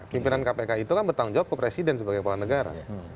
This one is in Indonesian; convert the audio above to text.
pimpinan kpk itu kan bertanggung jawab ke presiden sebagai kepala negara